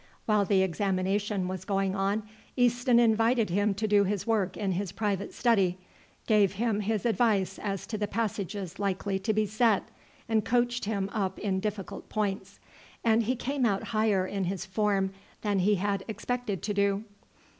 While the examination was going on Easton invited him to do his work in his private study, gave him his advice as to the passages likely to be set, and coached him up in difficult points, and he came out higher in his form than he had expected to do.